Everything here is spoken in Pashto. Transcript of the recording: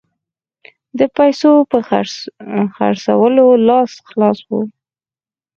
د پیسو په خرڅولو لاس خلاص وو.